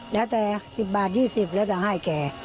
แล้วแต่๑๐บาท๒๐แล้วจะให้แก